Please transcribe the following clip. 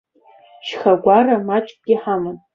Шьхагәара маҷкгьы ҳаман.